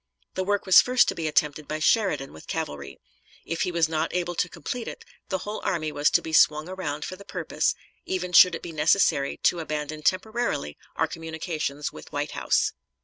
The work was first to be attempted by Sheridan with cavalry. If he was not able to complete it, the whole army was to be swung around for the purpose, even should it be necessary to abandon temporarily our communications with White House.